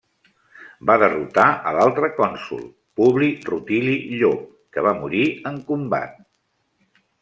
Va derrotar a l'altre cònsol Publi Rutili Llop que va morir en combat.